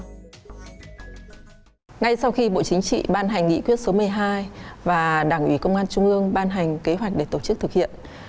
ngay sau khi bộ chính trị ban hành nghị quyết số một mươi hai và đảng ủy công an trung ương ban hành kế hoạch để tổ chức thực hiện